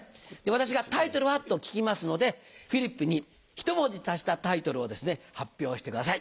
私が「タイトルは？」と聞きますのでフリップにひと文字足したタイトルをですね発表してください。